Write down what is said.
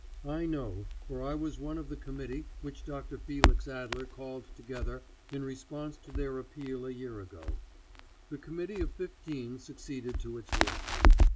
I know, for I was one of the committee which Dr. Felix Adler called together in response to their appeal a year ago. The Committee of Fifteen succeeded to its work.